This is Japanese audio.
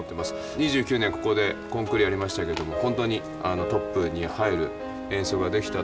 ２９年ここでコンクールやりましたけどもほんとにトップに入る演奏ができたと思ってます。